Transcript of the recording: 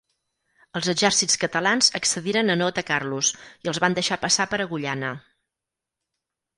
Els exèrcits catalans accediren a no atacar-los, i els van deixar passar per Agullana.